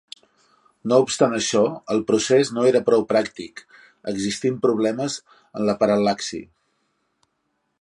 No obstant això, el procés no era prou pràctic, existint problemes en la paral·laxi.